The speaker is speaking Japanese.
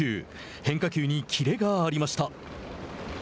変化球にキレがありました。